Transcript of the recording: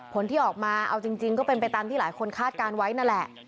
ผลที่ออกมาเอาจริงก็เป็นไปตามที่หลายคนคาดการณ์ไว้นั่นแหละ